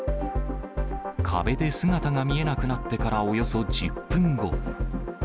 壁で姿が見えなくなってからおよそ１０分後。